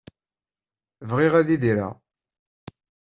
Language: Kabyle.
Bɣiɣ ad idireɣ.